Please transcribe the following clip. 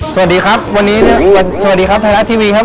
สวัสดีครับวันนี้สวัสดีครับไทยลักษณ์ทีวีครับ